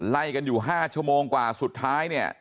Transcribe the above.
ไล่กันอยู่๕ชั่วโมงกว่าสุดท้ายเนี่ย